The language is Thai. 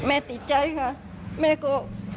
ติดใจค่ะแม่ก็